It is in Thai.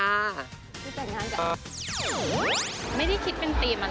ไม่ได้คิดเป็นธีมอะไรอะค่ะ